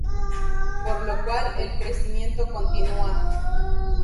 Por lo cual, el crecimiento continúa.